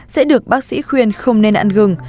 sẽ được bác sĩ khuyên không nên ăn gừng